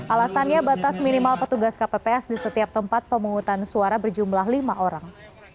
alasannya batas minimal petugas kpps di setiap tempat pemungutan suara berjumlah lima orang